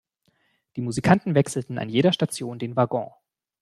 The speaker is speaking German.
Die Musikanten wechselten an jeder Station den Waggon.